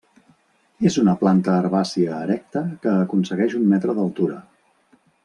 És una planta herbàcia erecta que aconsegueix un metre d'altura.